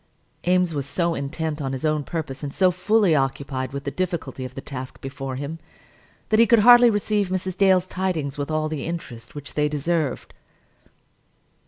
Eames was so intent on his own purpose, and so fully occupied with the difficulty of the task before him, that he could hardly receive Mrs. Dale's tidings with all the interest which they deserved.